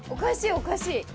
おかしい！